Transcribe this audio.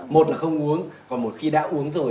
một là không uống còn một khi đã uống rồi